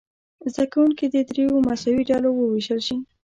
زده کوونکي دې دریو مساوي ډلو وویشل شي.